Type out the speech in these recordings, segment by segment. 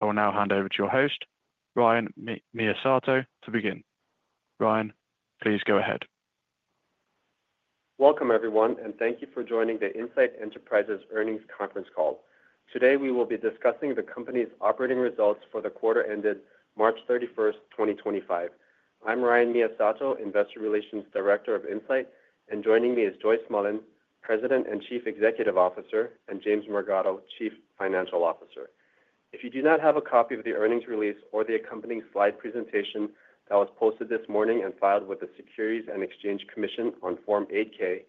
We'll now hand over to your host, Ryan Miyasato, to begin. Ryan, please go ahead. Welcome, everyone, and thank you for joining the Insight Enterprises' earnings conference call. Today, we will be discussing the company's operating results for the quarter ended March 31st, 2025. I'm Ryan Miyasato, Investor Relations Director of Insight, and joining me is Joyce Mullen, President and Chief Executive Officer, and James Morgado, Chief Financial Officer. If you do not have a copy of the earnings release or the accompanying slide presentation that was posted this morning and filed with the Securities and Exchange Commission on Form 8-K,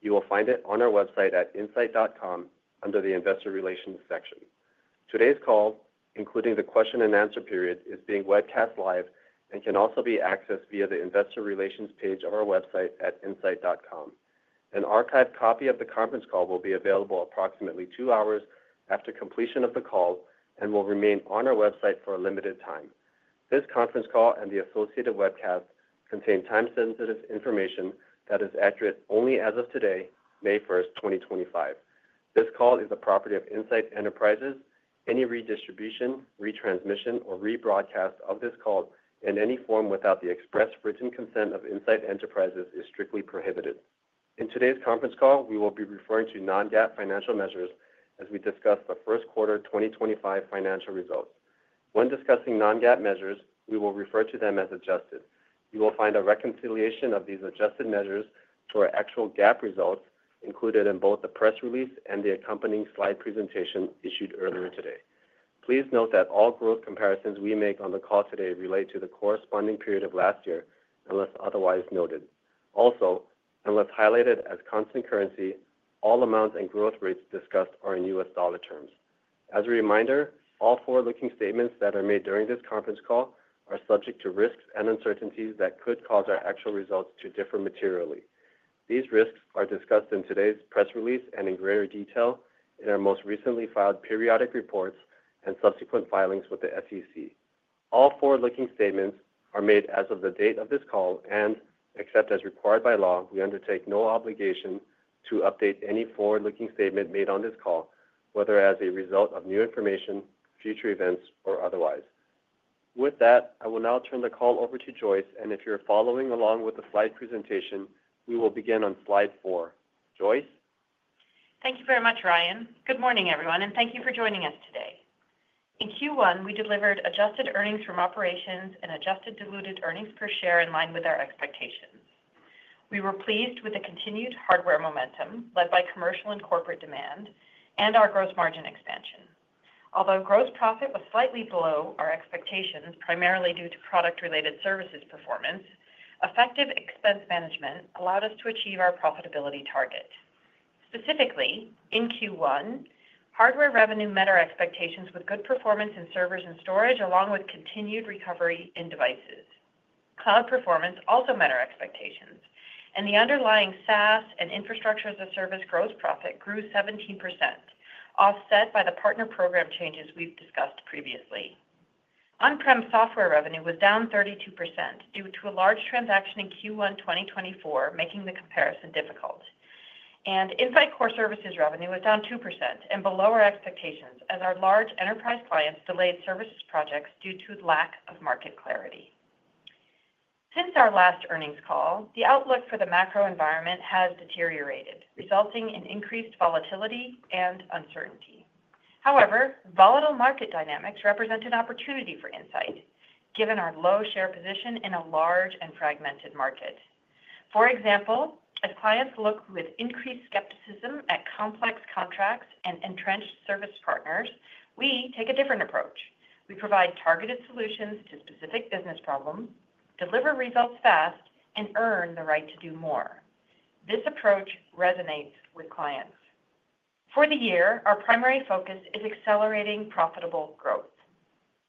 you will find it on our website at insight.com under the Investor Relations section. Today's call, including the question and answer period, is being webcast live and can also be accessed via the Investor Relations page of our website at insight.com. An archived copy of the conference call will be available approximately two hours after completion of the call and will remain on our website for a limited time. This conference call and the associated webcast contain time-sensitive information that is accurate only as of today, May 1st, 2025. This call is the property of Insight Enterprises. Any redistribution, retransmission, or rebroadcast of this call in any form without the express written consent of Insight Enterprises is strictly prohibited. In today's conference call, we will be referring to non-GAAP financial measures as we discuss the first quarter 2025 financial results. When discussing non-GAAP measures, we will refer to them as adjusted. You will find a reconciliation of these adjusted measures to our actual GAAP results included in both the press release and the accompanying slide presentation issued earlier today. Please note that all growth comparisons we make on the call today relate to the corresponding period of last year unless otherwise noted. Also, unless highlighted as constant currency, all amounts and growth rates discussed are in U.S. dollar terms. As a reminder, all forward-looking statements that are made during this conference call are subject to risks and uncertainties that could cause our actual results to differ materially. These risks are discussed in today's press release and in greater detail in our most recently filed periodic reports and subsequent filings with the SEC. All forward-looking statements are made as of the date of this call and, except as required by law, we undertake no obligation to update any forward-looking statement made on this call, whether as a result of new information, future events, or otherwise. With that, I will now turn the call over to Joyce, and if you're following along with the slide presentation, we will begin on slide four. Joyce. Thank you very much, Ryan. Good morning, everyone, and thank you for joining us today. In Q1, we delivered adjusted earnings from operations and adjusted diluted earnings per share in line with our expectations. We were pleased with the continued hardware momentum led by commercial and corporate demand and our gross margin expansion. Although gross profit was slightly below our expectations primarily due to product-related services performance, effective expense management allowed us to achieve our profitability target. Specifically, in Q1, hardware revenue met our expectations with good performance in servers and storage, along with continued recovery in devices. Cloud performance also met our expectations, and the underlying SaaS and Infrastructure as a Service gross profit grew 17%, offset by the partner program changes we've discussed previously. On-prem software revenue was down 32% due to a large transaction in Q1 2024, making the comparison difficult. Insight Core Services revenue was down 2% and below our expectations as our large enterprise clients delayed services projects due to lack of market clarity. Since our last earnings call, the outlook for the macro environment has deteriorated, resulting in increased volatility and uncertainty. However, volatile market dynamics represent an opportunity for Insight, given our low share position in a large and fragmented market. For example, as clients look with increased skepticism at complex contracts and entrenched service partners, we take a different approach. We provide targeted solutions to specific business problems, deliver results fast, and earn the right to do more. This approach resonates with clients. For the year, our primary focus is accelerating profitable growth.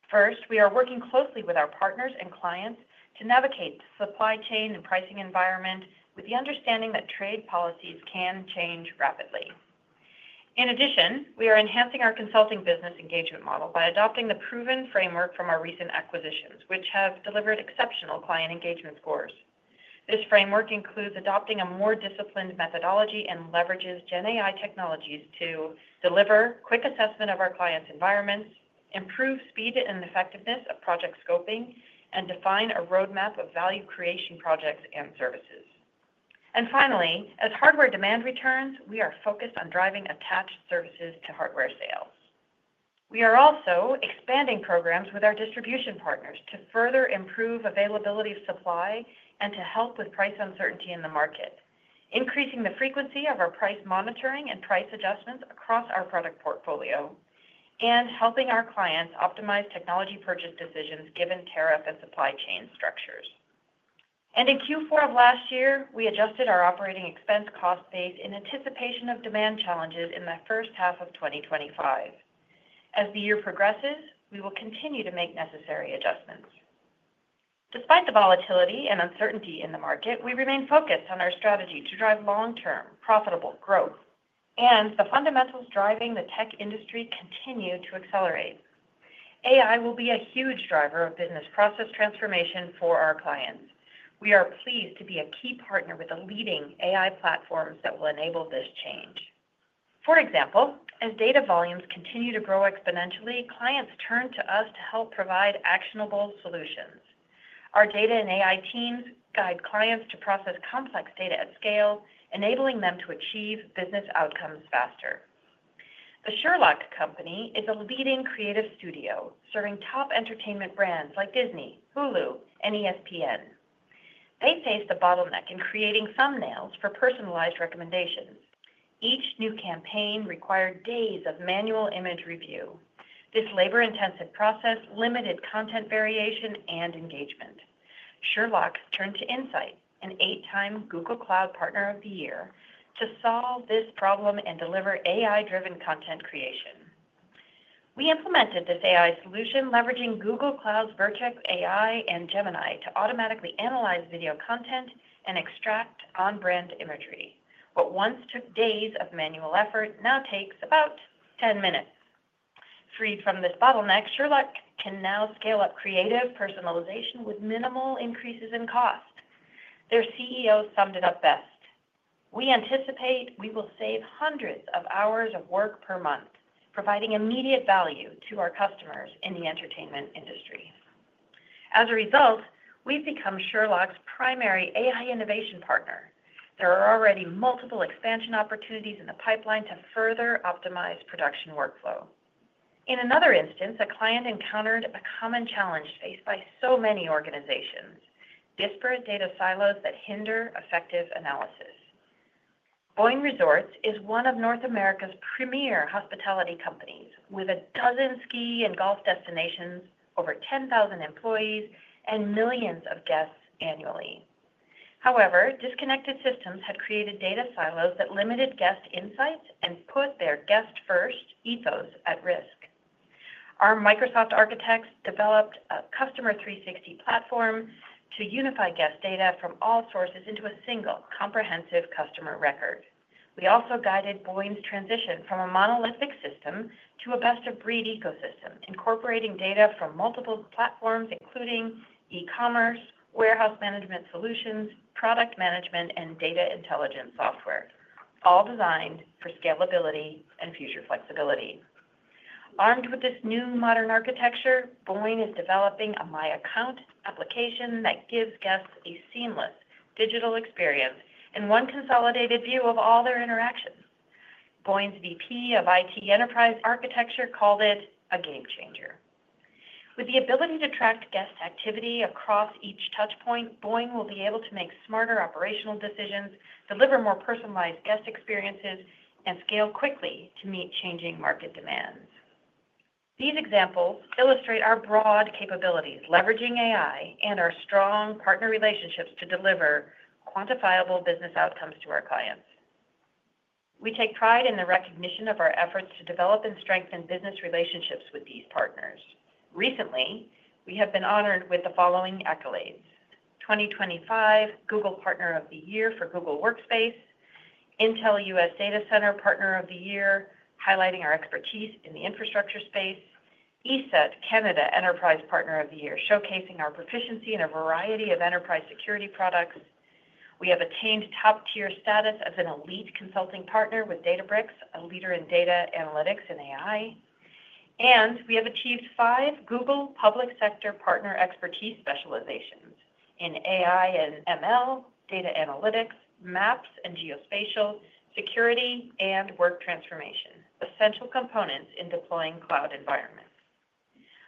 First, we are working closely with our partners and clients to navigate the supply chain and pricing environment with the understanding that trade policies can change rapidly. In addition, we are enhancing our consulting business engagement model by adopting the proven framework from our recent acquisitions, which have delivered exceptional client engagement scores. This framework includes adopting a more disciplined methodology and leverages GenAI technologies to deliver quick assessment of our clients' environments, improve speed and effectiveness of project scoping, and define a roadmap of value creation projects and services. Finally, as hardware demand returns, we are focused on driving attached services to hardware sales. We are also expanding programs with our distribution partners to further improve availability of supply and to help with price uncertainty in the market, increasing the frequency of our price monitoring and price adjustments across our product portfolio, and helping our clients optimize technology purchase decisions given tariff and supply chain structures. In Q4 of last year, we adjusted our operating expense cost base in anticipation of demand challenges in the first half of 2025. As the year progresses, we will continue to make necessary adjustments. Despite the volatility and uncertainty in the market, we remain focused on our strategy to drive long-term profitable growth and the fundamentals driving the tech industry continue to accelerate. AI will be a huge driver of business process transformation for our clients. We are pleased to be a key partner with the leading AI platforms that will enable this change. For example, as data volumes continue to grow exponentially, clients turn to us to help provide actionable solutions. Our data and AI teams guide clients to process complex data at scale, enabling them to achieve business outcomes faster. The Sherlock Company is a leading creative studio serving top entertainment brands like Disney, Hulu, and ESPN. They faced the bottleneck in creating thumbnails for personalized recommendations. Each new campaign required days of manual image review. This labor-intensive process limited content variation and engagement. Sherlock turned to Insight, an eight-time Google Cloud Partner of the Year, to solve this problem and deliver AI-driven content creation. We implemented this AI solution, leveraging Google Cloud's Vertex AI and Gemini to automatically analyze video content and extract on-brand imagery. What once took days of manual effort now takes about 10 minutes. Freed from this bottleneck, Sherlock can now scale up creative personalization with minimal increases in cost. Their CEO summed it up best. We anticipate we will save hundreds of hours of work per month, providing immediate value to our customers in the entertainment industry. As a result, we've become Sherlock's primary AI innovation partner. There are already multiple expansion opportunities in the pipeline to further optimize production workflow. In another instance, a client encountered a common challenge faced by so many organizations: disparate data silos that hinder effective analysis. Boyne Resorts is one of North America's premier hospitality companies, with a dozen ski and golf destinations, over 10,000 employees, and millions of guests annually. However, disconnected systems had created data silos that limited guest insights and put their guest-first ethos at risk. Our Microsoft architects developed a Customer 360 platform to unify guest data from all sources into a single comprehensive customer record. We also guided Boyne's transition from a monolithic system to a best-of-breed ecosystem, incorporating data from multiple platforms, including e-commerce, warehouse management solutions, product management, and data intelligence software, all designed for scalability and future flexibility. Armed with this new modern architecture, Boyne is developing a My Account application that gives guests a seamless digital experience and one consolidated view of all their interactions. Boyne's VP of IT Enterprise Architecture called it a game changer. With the ability to track guest activity across each touchpoint, Boyne will be able to make smarter operational decisions, deliver more personalized guest experiences, and scale quickly to meet changing market demands. These examples illustrate our broad capabilities, leveraging AI and our strong partner relationships to deliver quantifiable business outcomes to our clients. We take pride in the recognition of our efforts to develop and strengthen business relationships with these partners. Recently, we have been honored with the following accolades: 2025 Google Partner of the Year for Google Workspace, Intel US Data Center Partner of the Year, highlighting our expertise in the infrastructure space, ESET Canada Enterprise Partner of the Year, showcasing our proficiency in a variety of enterprise Security products. We have attained top-tier status as an elite consulting partner with Databricks, a leader in Data Analytics and AI, and we have achieved five Google Public Sector partner expertise specializations in AI and ML, Data Analytics, Maps and Geospatial, Security, and Work Transformation, essential components in deploying cloud environments.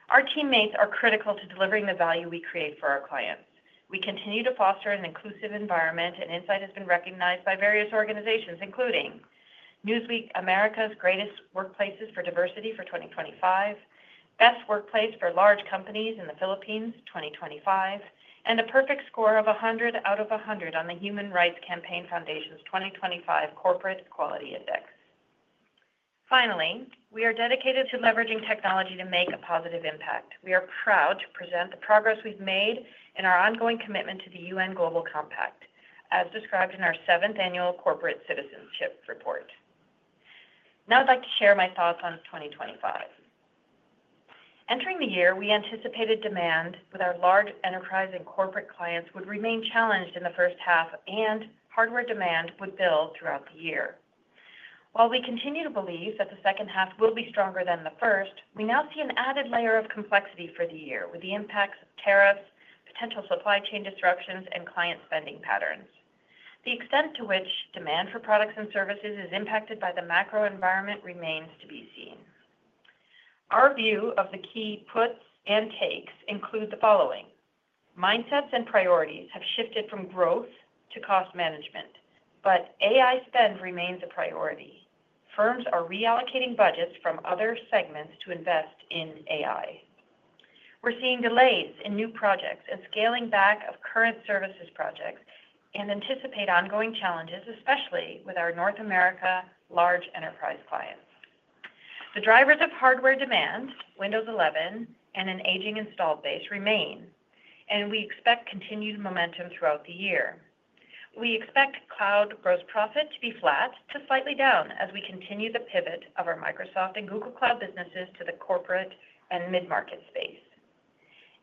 Our teammates are critical to delivering the value we create for our clients. We continue to foster an inclusive environment, and Insight has been recognized by various organizations, including Newsweek America's Greatest Workplaces for Diversity for 2025, Best Workplace for Large Companies in the Philippines 2025, and a perfect score of 100 out of 100 on the Human Rights Campaign Foundation's 2025 Corporate Equality Index. Finally, we are dedicated to leveraging technology to make a positive impact. We are proud to present the progress we've made and our ongoing commitment to the UN Global Compact, as described in our seventh annual Corporate Citizenship Report. Now I'd like to share my thoughts on 2025. Entering the year, we anticipated demand with our large enterprise and corporate clients would remain challenged in the first half, and hardware demand would build throughout the year. While we continue to believe that the second half will be stronger than the first, we now see an added layer of complexity for the year with the impacts of tariffs, potential supply chain disruptions, and client spending patterns. The extent to which demand for products and services is impacted by the macro environment remains to be seen. Our view of the key puts and takes includes the following. Mindsets and priorities have shifted from growth to cost management, but AI spend remains a priority. Firms are reallocating budgets from other segments to invest in AI. We are seeing delays in new projects and scaling back of current services projects and anticipate ongoing challenges, especially with our North America large enterprise clients. The drivers of hardware demand, Windows 11 and an aging installed base, remain, and we expect continued momentum throughout the year. We expect cloud gross profit to be flat to slightly down as we continue the pivot of our Microsoft and Google Cloud businesses to the corporate and mid-market space.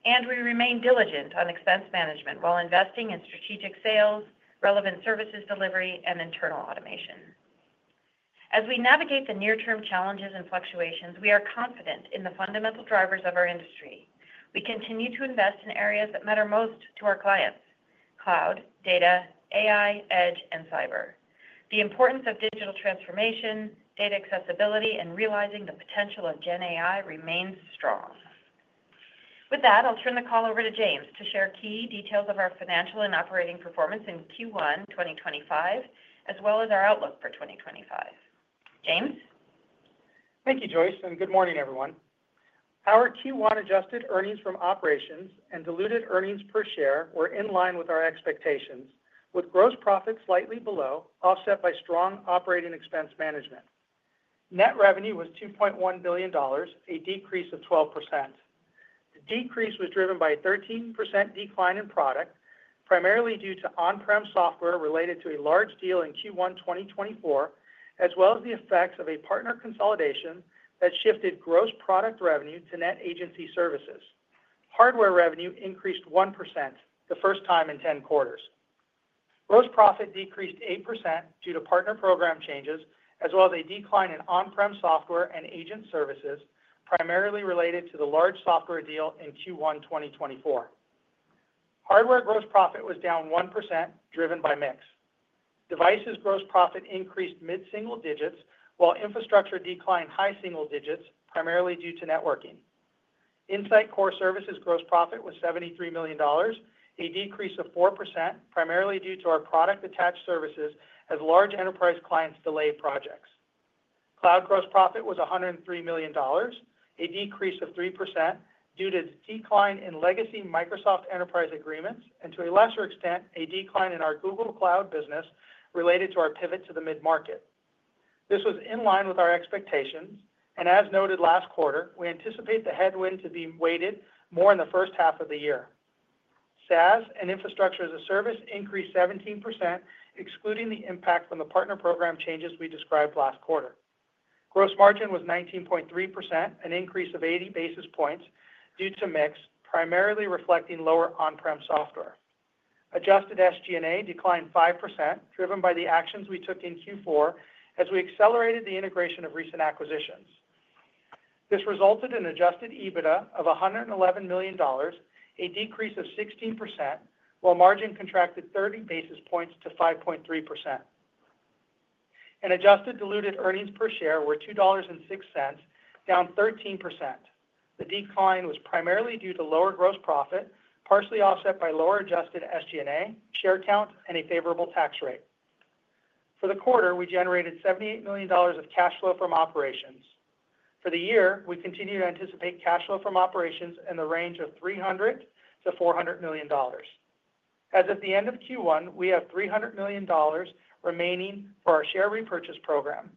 We remain diligent on expense management while investing in strategic sales, relevant services delivery, and internal automation. As we navigate the near-term challenges and fluctuations, we are confident in the fundamental drivers of our industry. We continue to invest in areas that matter most to our clients: cloud, data, AI, edge, and cyber. The importance of digital transformation, data accessibility, and realizing the potential of GenAI remains strong. With that, I'll turn the call over to James to share key details of our financial and operating performance in Q1 2025, as well as our outlook for 2025. James? Thank you, Joyce, and good morning, everyone. Our Q1 adjusted earnings from operations and diluted earnings per share were in line with our expectations, with gross profit slightly below, offset by strong operating expense management. Net revenue was $2.1 billion, a decrease of 12%. The decrease was driven by a 13% decline in product, primarily due to on-prem software related to a large deal in Q1 2024, as well as the effects of a partner consolidation that shifted gross product revenue to net agency services. Hardware revenue increased 1% the first time in 10 quarters. Gross profit decreased 8% due to partner program changes, as well as a decline in on-prem software and agent services, primarily related to the large software deal in Q1 2024. Hardware gross profit was down 1%, driven by mix. Devices gross profit increased mid-single digits, while infrastructure declined high single digits, primarily due to networking. Insight Core Services gross profit was $73 million, a decrease of 4%, primarily due to our product attached services as large enterprise clients delayed projects. Cloud gross profit was $103 million, a decrease of 3% due to a decline in legacy Microsoft enterprise agreements and, to a lesser extent, a decline in our Google Cloud business related to our pivot to the mid-market. This was in line with our expectations, and as noted last quarter, we anticipate the headwind to be weighted more in the first half of the year. SaaS and Infrastructure as a Service increased 17%, excluding the impact from the partner program changes we described last quarter. Gross margin was 19.3%, an increase of 80 basis points due to mix, primarily reflecting lower on-prem software. Adjusted SG&A declined 5%, driven by the actions we took in Q4 as we accelerated the integration of recent acquisitions. This resulted in adjusted EBITDA of $111 million, a decrease of 16%, while margin contracted 30 basis points to 5.3%. Adjusted diluted earnings per share were $2.06, down 13%. The decline was primarily due to lower gross profit, partially offset by lower adjusted SG&A, share count, and a favorable tax rate. For the quarter, we generated $78 million of cash flow from operations. For the year, we continue to anticipate cash flow from operations in the range of $300 million-$400 million. As of the end of Q1, we have $300 million remaining for our share repurchase program.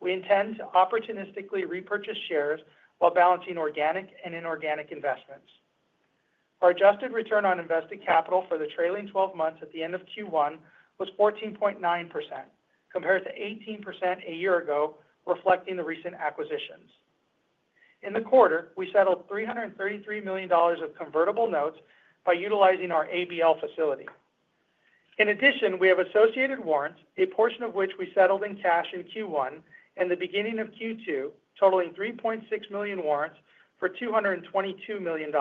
We intend to opportunistically repurchase shares while balancing organic and inorganic investments. Our adjusted return on invested capital for the trailing 12 months at the end of Q1 was 14.9%, compared to 18% a year ago, reflecting the recent acquisitions. In the quarter, we settled $333 million of convertible notes by utilizing our ABL facility. In addition, we have associated warrants, a portion of which we settled in cash in Q1 and the beginning of Q2, totaling 3.6 million warrants for $222 million.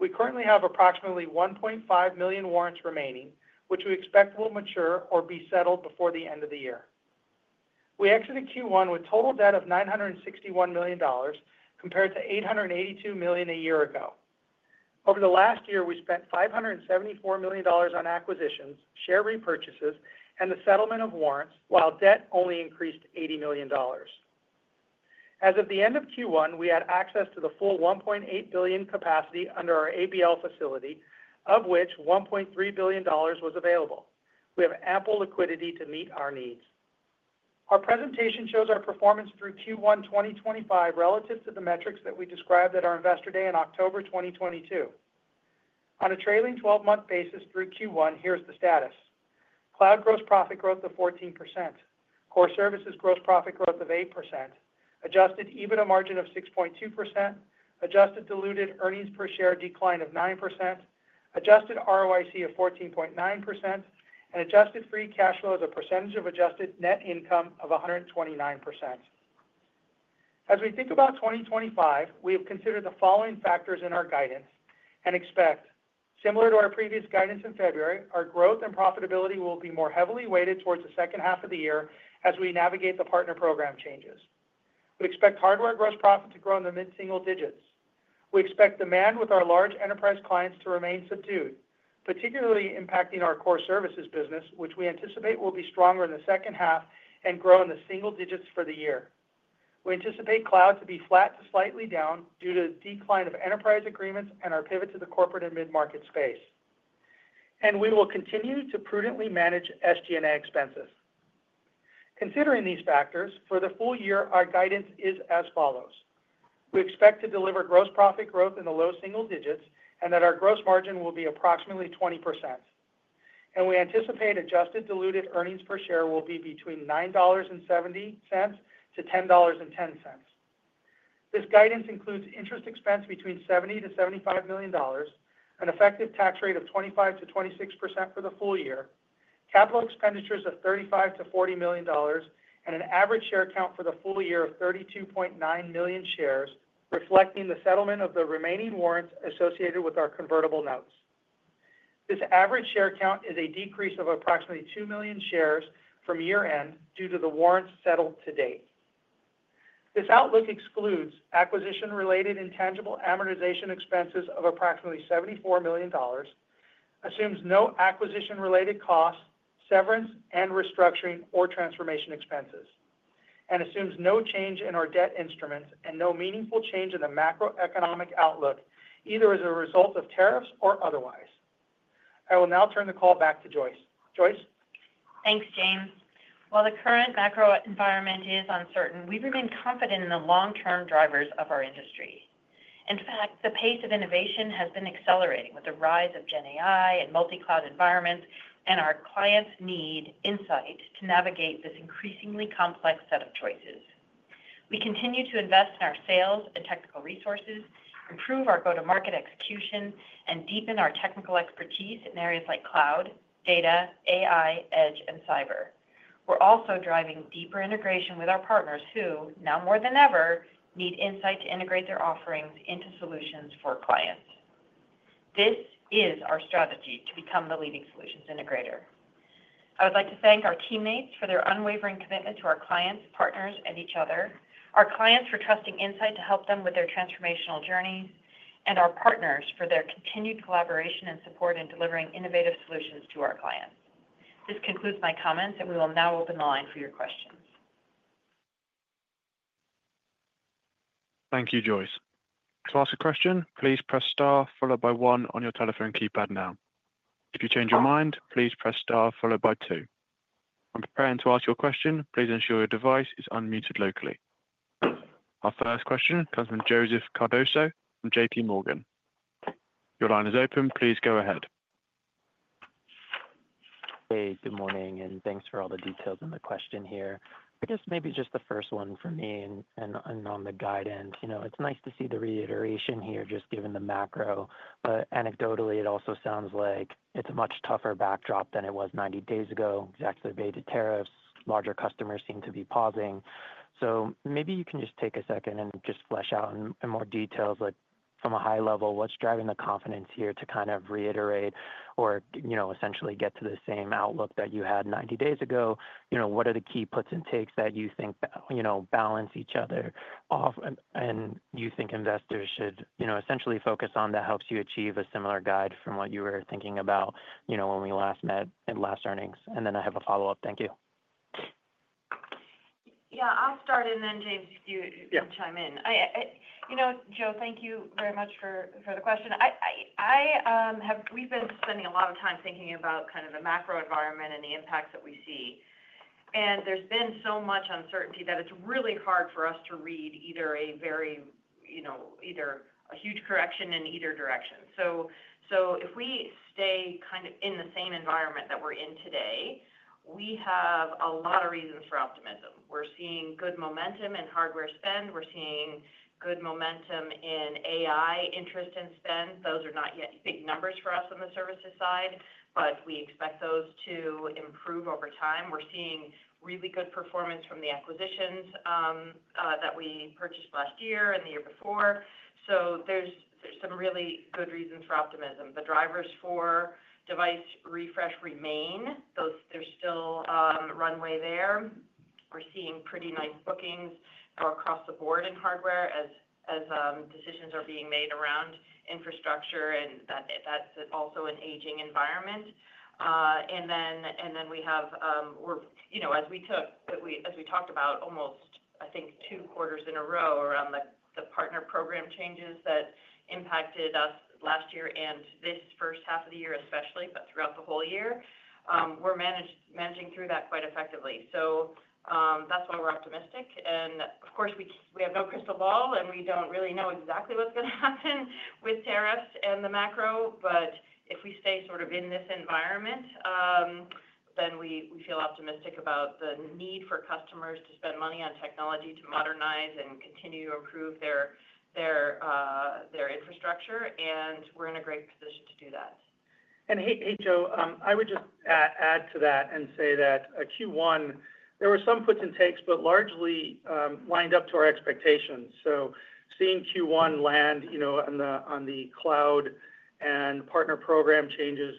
We currently have approximately 1.5 million warrants remaining, which we expect will mature or be settled before the end of the year. We exited Q1 with total debt of $961 million, compared to $882 million a year ago. Over the last year, we spent $574 million on acquisitions, share repurchases, and the settlement of warrants, while debt only increased $80 million. As of the end of Q1, we had access to the full $1.8 billion capacity under our ABL facility, of which $1.3 billion was available. We have ample liquidity to meet our needs. Our presentation shows our performance through Q1 2025 relative to the metrics that we described at our investor day in October 2022. On a trailing 12-month basis through Q1, here's the status. Cloud gross profit growth of 14%, core services gross profit growth of 8%, adjusted EBITDA margin of 6.2%, adjusted diluted earnings per share decline of 9%, adjusted ROIC of 14.9%, and adjusted free cash flow as a percentage of adjusted net income of 129%. As we think about 2025, we have considered the following factors in our guidance and expect, similar to our previous guidance in February, our growth and profitability will be more heavily weighted towards the second half of the year as we navigate the partner program changes. We expect hardware gross profit to grow in the mid-single digits. We expect demand with our large enterprise clients to remain subdued, particularly impacting our core services business, which we anticipate will be stronger in the second half and grow in the single digits for the year. We anticipate cloud to be flat to slightly down due to the decline of enterprise agreements and our pivot to the corporate and mid-market space. We will continue to prudently manage SG&A expenses. Considering these factors, for the full year, our guidance is as follows. We expect to deliver gross profit growth in the low single digits and that our gross margin will be approximately 20%. We anticipate adjusted diluted earnings per share will be between $9.70-$10.10. This guidance includes interest expense between $70 million-$75 million, an effective tax rate of 25%-26% for the full year, capital expenditures of $35-$40 million, and an average share count for the full year of 32.9 million shares, reflecting the settlement of the remaining warrants associated with our convertible notes. This average share count is a decrease of approximately 2 million shares from year-end due to the warrants settled to date. This outlook excludes acquisition-related intangible amortization expenses of approximately $74 million, assumes no acquisition-related costs, severance, and restructuring or transformation expenses, and assumes no change in our debt instruments and no meaningful change in the macroeconomic outlook, either as a result of tariffs or otherwise. I will now turn the call back to Joyce. Joyce? Thanks, James. While the current macro environment is uncertain, we remain confident in the long-term drivers of our industry. In fact, the pace of innovation has been accelerating with the rise of GenAI and multi-cloud environments, and our clients need Insight to navigate this increasingly complex set of choices. We continue to invest in our sales and technical resources, improve our go-to-market execution, and deepen our technical expertise in areas like cloud, data, AI, edge, and cyber. We're also driving deeper integration with our partners who, now more than ever, need Insight to integrate their offerings into solutions for clients. This is our strategy to become the leading solutions integrator. I would like to thank our teammates for their unwavering commitment to our clients, partners, and each other, our clients for trusting Insight to help them with their transformational journeys, and our partners for their continued collaboration and support in delivering innovative solutions to our clients. This concludes my comments, and we will now open the line for your questions. Thank you, Joyce. To ask a question, please press star followed by one on your telephone keypad now. If you change your mind, please press star followed by two. When preparing to ask your question, please ensure your device is unmuted locally. Our first question comes from Joseph Cardoso from JPMorgan. Your line is open. Please go ahead. Hey, good morning, and thanks for all the details in the question here. I guess maybe just the first one for me and on the guidance. It's nice to see the reiteration here, just given the macro. Anecdotally, it also sounds like it's a much tougher backdrop than it was 90 days ago, exactly weighted tariffs. Larger customers seem to be pausing. Maybe you can just take a second and just flesh out in more details, from a high level, what's driving the confidence here to kind of reiterate or essentially get to the same outlook that you had 90 days ago? What are the key puts and takes that you think balance each other? You think investors should essentially focus on that helps you achieve a similar guide from what you were thinking about when we last met at last earnings. I have a follow-up. Thank you. Yeah, I'll start, and then James, if you can chime in. Joe, thank you very much for the question. We've been spending a lot of time thinking about kind of the macro environment and the impacts that we see. There's been so much uncertainty that it's really hard for us to read either a huge correction in either direction. If we stay kind of in the same environment that we're in today, we have a lot of reasons for optimism. We're seeing good momentum in hardware spend. We're seeing good momentum in AI interest and spend. Those are not yet big numbers for us on the services side, but we expect those to improve over time. We're seeing really good performance from the acquisitions that we purchased last year and the year before. There's some really good reasons for optimism. The drivers for device refresh remain. There's still runway there. We're seeing pretty nice bookings across the board in hardware as decisions are being made around infrastructure, and that's also an aging environment. We have, as we talked about, almost, I think, two quarters in a row around the partner program changes that impacted us last year and this first half of the year, especially, but throughout the whole year. We're managing through that quite effectively. That's why we're optimistic. Of course, we have no crystal ball, and we don't really know exactly what's going to happen with tariffs and the macro. If we stay sort of in this environment, then we feel optimistic about the need for customers to spend money on technology to modernize and continue to improve their infrastructure. We're in a great position to do that. Hey, Joe, I would just add to that and say that Q1, there were some puts and takes, but largely lined up to our expectations. Seeing Q1 land on the cloud and partner program changes,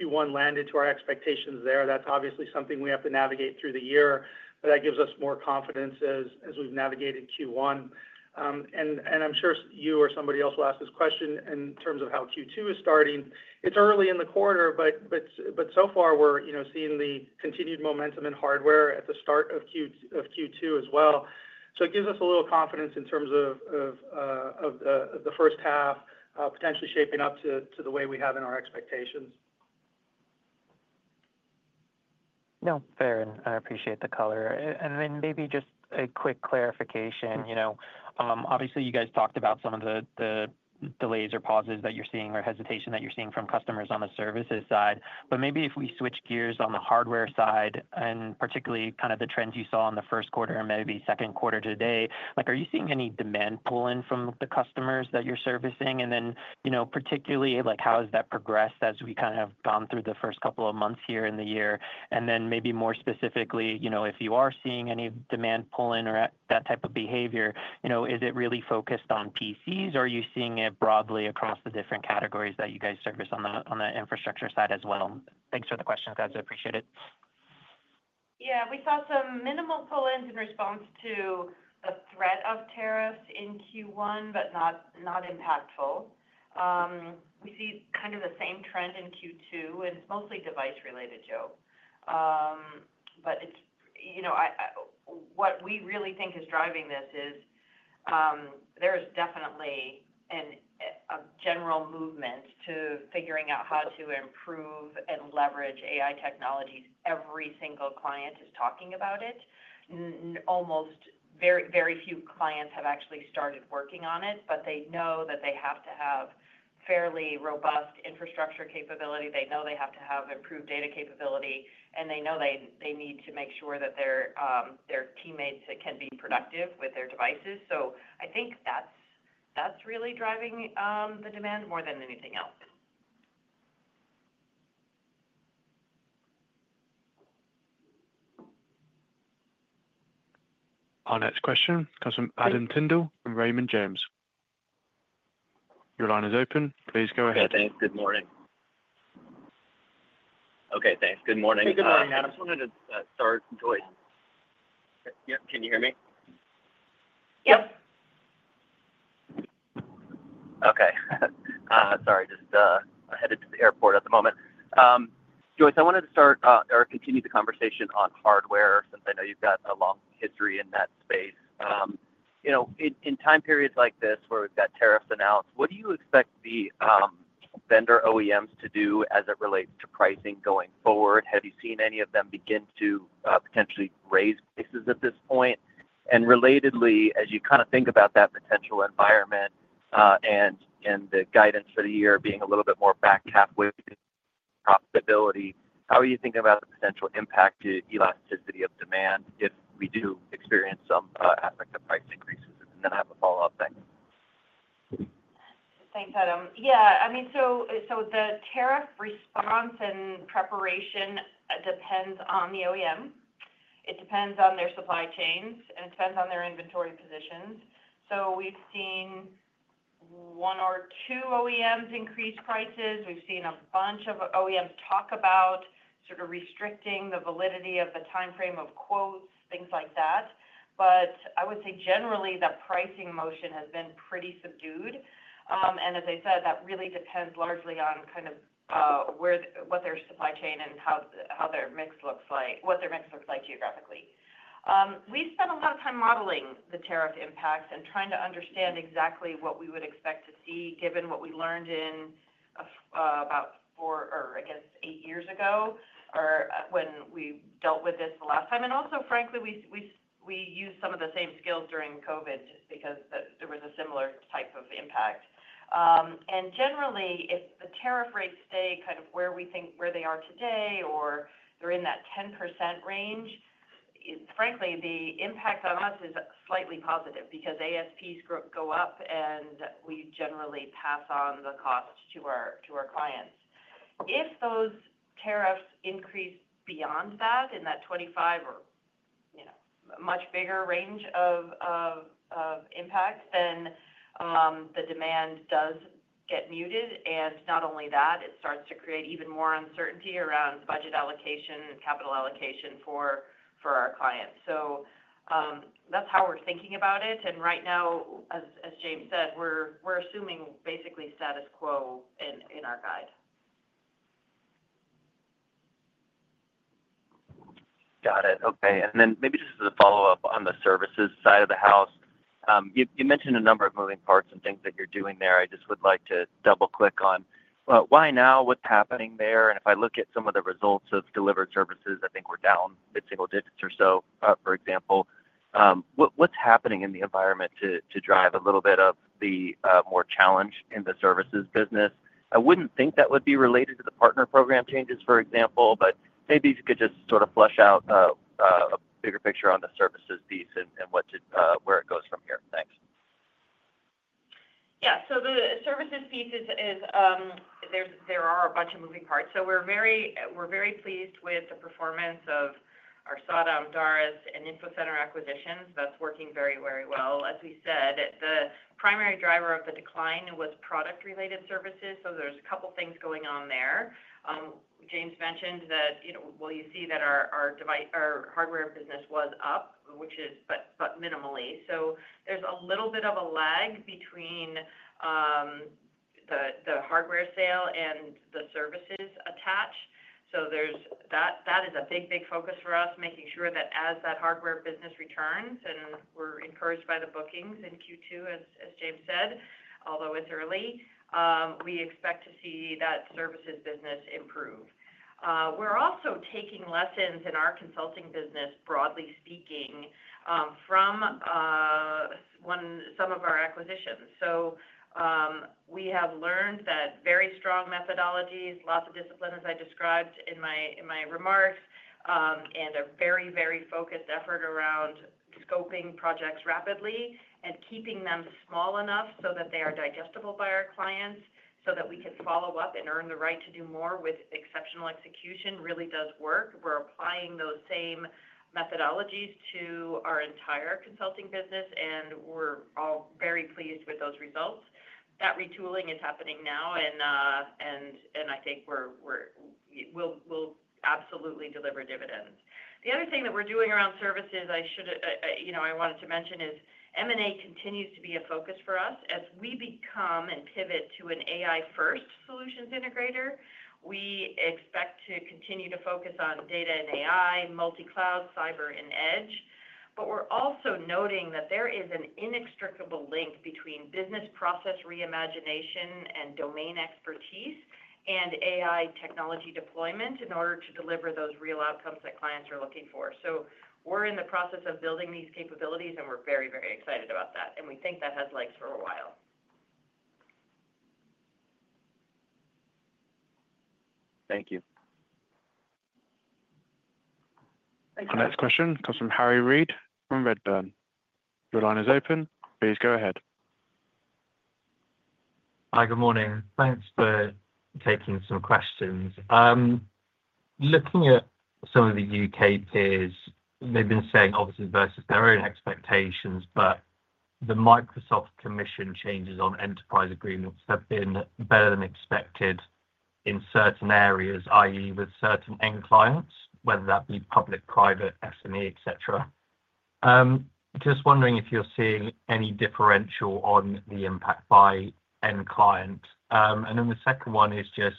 Q1 landed to our expectations there. That is obviously something we have to navigate through the year, but that gives us more confidence as we have navigated Q1. I am sure you or somebody else will ask this question in terms of how Q2 is starting. It is early in the quarter, but so far, we are seeing the continued momentum in hardware at the start of Q2 as well. It gives us a little confidence in terms of the first half potentially shaping up to the way we have in our expectations. No, fair and I appreciate the color. Maybe just a quick clarification. Obviously, you guys talked about some of the delays or pauses that you're seeing or hesitation that you're seeing from customers on the services side. Maybe if we switch gears on the hardware side and particularly kind of the trends you saw in the first quarter and maybe second quarter today, are you seeing any demand pulling from the customers that you're servicing? Particularly, how has that progressed as we kind of have gone through the first couple of months here in the year? Maybe more specifically, if you are seeing any demand pulling or that type of behavior, is it really focused on PCs, or are you seeing it broadly across the different categories that you guys service on the infrastructure side as well? Thanks for the questions. I appreciate it. Yeah, we saw some minimal pull-ins in response to the threat of tariffs in Q1, but not impactful. We see kind of the same trend in Q2, and it's mostly device-related, Joe. What we really think is driving this is there is definitely a general movement to figuring out how to improve and leverage AI technologies. Every single client is talking about it. Almost very few clients have actually started working on it, but they know that they have to have fairly robust infrastructure capability. They know they have to have improved data capability, and they know they need to make sure that their teammates can be productive with their devices. I think that's really driving the demand more than anything else. Our next question comes from Adam Tindle from Raymond James. Your line is open. Please go ahead. Yeah, thanks. Good morning. Okay, thanks. Good morning, Adam. Hey, good morning, Adam. I just wanted to start, Joyce. Yep, can you hear me? Yep. Okay. Sorry, just headed to the airport at the moment. Joyce, I wanted to start or continue the conversation on hardware since I know you've got a long history in that space. In time periods like this where we've got tariffs announced, what do you expect the vendor OEMs to do as it relates to pricing going forward? Have you seen any of them begin to potentially raise prices at this point? Relatedly, as you kind of think about that potential environment and the guidance for the year being a little bit more back halfway to profitability, how are you thinking about the potential impact to elasticity of demand if we do experience some aspect of price increases? I have a follow-up. Thanks. Thanks, Adam. Yeah, I mean, the tariff response and preparation depends on the OEM. It depends on their supply chains, and it depends on their inventory positions. We have seen one or two OEMs increase prices. We have seen a bunch of OEMs talk about restricting the validity of the timeframe of quotes, things like that. I would say generally the pricing motion has been pretty subdued. As I said, that really depends largely on what their supply chain and what their mix looks like geographically. We spent a lot of time modeling the tariff impacts and trying to understand exactly what we would expect to see given what we learned in about four or, I guess, eight years ago or when we dealt with this the last time. Frankly, we used some of the same skills during COVID just because there was a similar type of impact. Generally, if the tariff rates stay kind of where we think where they are today or they're in that 10% range, frankly, the impact on us is slightly positive because ASPs go up, and we generally pass on the cost to our clients. If those tariffs increase beyond that in that 25% or much bigger range of impact, then the demand does get muted. Not only that, it starts to create even more uncertainty around budget allocation and capital allocation for our clients. That is how we're thinking about it. Right now, as James said, we're assuming basically status quo in our guide. Got it. Okay. Maybe just as a follow-up on the services side of the house, you mentioned a number of moving parts and things that you're doing there. I just would like to double-click on why now, what's happening there? If I look at some of the results of delivered services, I think we're down a single digit or so, for example. What's happening in the environment to drive a little bit of the more challenge in the services business? I wouldn't think that would be related to the partner program changes, for example, but maybe if you could just sort of flesh out a bigger picture on the services piece and where it goes from here. Thanks. Yeah. The services piece is there are a bunch of moving parts. We are very pleased with the performance of our SADA, Amdaris, and Infocenter acquisitions. That is working very, very well. As we said, the primary driver of the decline was product-related services. There are a couple of things going on there. James mentioned that, you see that our hardware business was up, but minimally. There is a little bit of a lag between the hardware sale and the services attached. That is a big, big focus for us, making sure that as that hardware business returns and we are encouraged by the bookings in Q2, as James said, although it is early, we expect to see that services business improve. We are also taking lessons in our consulting business, broadly speaking, from some of our acquisitions. We have learned that very strong methodologies, lots of discipline, as I described in my remarks, and a very, very focused effort around scoping projects rapidly and keeping them small enough so that they are digestible by our clients so that we can follow up and earn the right to do more with exceptional execution really does work. We are applying those same methodologies to our entire consulting business, and we are all very pleased with those results. That retooling is happening now, and I think we will absolutely deliver dividends. The other thing that we are doing around services I wanted to mention is M&A continues to be a focus for us. As we become and pivot to an AI-first solutions integrator, we expect to continue to focus on data and AI, multi-cloud, cyber, and edge. We are also noting that there is an inextricable link between business process reimagination and domain expertise and AI technology deployment in order to deliver those real outcomes that clients are looking for. We are in the process of building these capabilities, and we are very, very excited about that. We think that has legs for a while. Thank you. Our next question comes from Harry Read from Redburn. Your line is open. Please go ahead. Hi, good morning. Thanks for taking some questions. Looking at some of the U.K. peers, they've been saying, obviously, versus their own expectations, but the Microsoft commission changes on enterprise agreements have been better than expected in certain areas, i.e., with certain end clients, whether that be public, private, SME, et cetera. Just wondering if you're seeing any differential on the impact by end client. The second one is just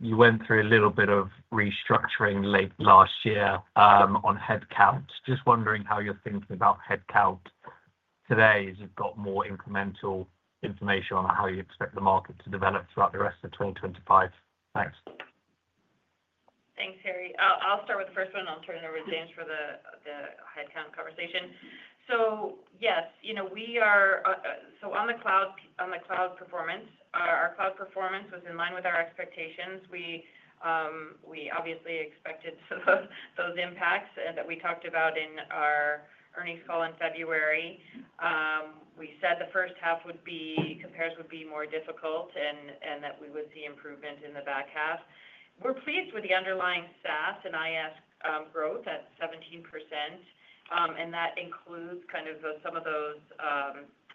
you went through a little bit of restructuring late last year on headcount. Just wondering how you're thinking about headcount today as you've got more incremental information on how you expect the market to develop throughout the rest of 2025. Thanks. Thanks, Harry. I'll start with the first one, and I'll turn it over to James for the headcount conversation. Yes, we are, so on the cloud performance, our cloud performance was in line with our expectations. We obviously expected those impacts that we talked about in our earnings call in February. We said the first half would be comparison would be more difficult and that we would see improvement in the back half. We're pleased with the underlying SaaS and IaaS growth at 17%. That includes kind of some of those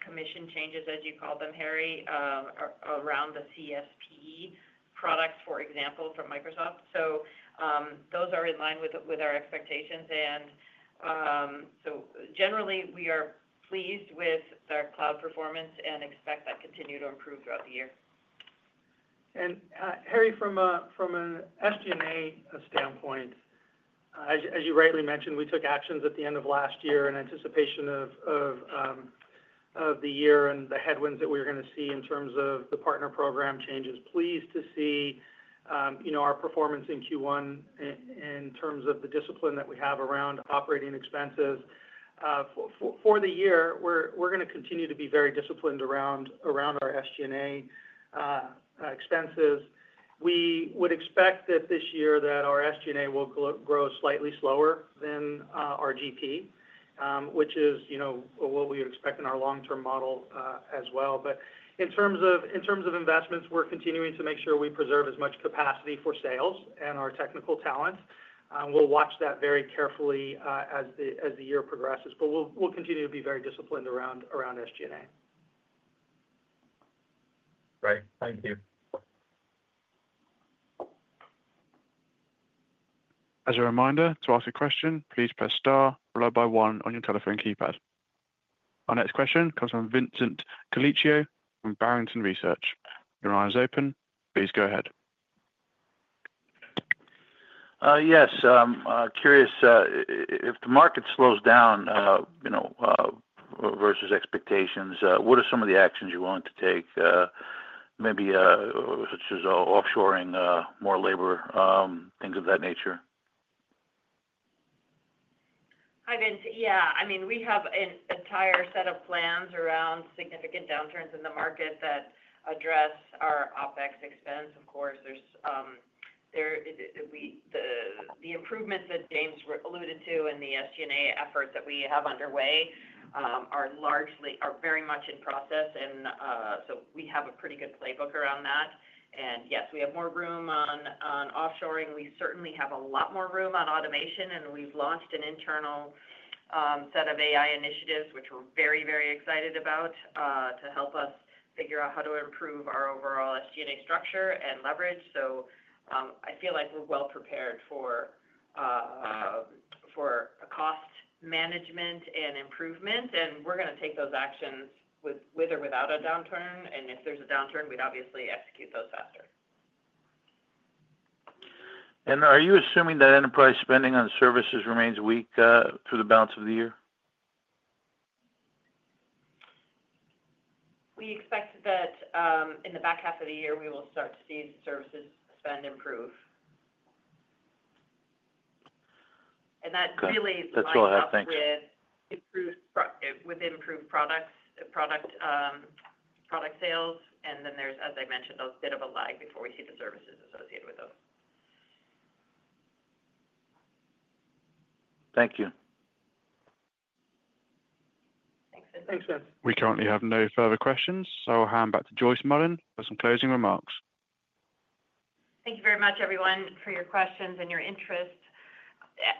commission changes, as you called them, Harry, around the CSP products, for example, from Microsoft. Those are in line with our expectations. Generally, we are pleased with the cloud performance and expect that to continue to improve throughout the year. Harry, from an SG&A standpoint, as you rightly mentioned, we took actions at the end of last year in anticipation of the year and the headwinds that we were going to see in terms of the partner program changes. Pleased to see our performance in Q1 in terms of the discipline that we have around operating expenses. For the year, we're going to continue to be very disciplined around our SG&A expenses. We would expect that this year that our SG&A will grow slightly slower than our GP, which is what we would expect in our long-term model as well. In terms of investments, we're continuing to make sure we preserve as much capacity for sales and our technical talent. We'll watch that very carefully as the year progresses, but we'll continue to be very disciplined around SG&A. Great. Thank you. As a reminder, to ask a question, please press star followed by one on your telephone keypad. Our next question comes from Vincent Colicchio from Barrington Research. Your line is open. Please go ahead. Yes. Curious, if the market slows down versus expectations, what are some of the actions you're willing to take, maybe such as offshoring, more labor, things of that nature? Hi, Vince. Yeah. I mean, we have an entire set of plans around significant downturns in the market that address our OpEx expense. Of course, the improvements that James alluded to and the SG&A efforts that we have underway are very much in process. We have a pretty good playbook around that. Yes, we have more room on offshoring. We certainly have a lot more room on automation. We have launched an internal set of AI initiatives, which we're very, very excited about to help us figure out how to improve our overall SG&A structure and leverage. I feel like we're well prepared for cost management and improvement. We're going to take those actions with or without a downturn. If there's a downturn, we'd obviously execute those faster. Are you assuming that enterprise spending on services remains weak through the balance of the year? We expect that in the back half of the year, we will start to see services spend improve. That really lines up with improved product sales. There is, as I mentioned, a bit of a lag before we see the services associated with those. Thank you. Thanks, Vince. We currently have no further questions. I'll hand back to Joyce Mullen for some closing remarks. Thank you very much, everyone, for your questions and your interest.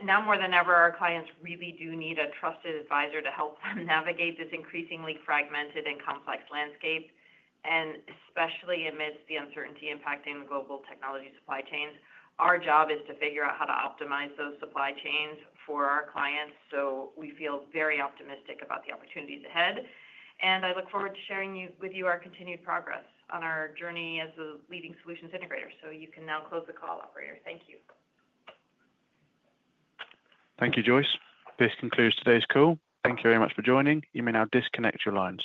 Now more than ever, our clients really do need a trusted advisor to help them navigate this increasingly fragmented and complex landscape, especially amidst the uncertainty impacting the global technology supply chains. Our job is to figure out how to optimize those supply chains for our clients. We feel very optimistic about the opportunities ahead. I look forward to sharing with you our continued progress on our journey as a leading solutions integrator. You can now close the call, operator. Thank you. Thank you, Joyce. This concludes today's call. Thank you very much for joining. You may now disconnect your lines.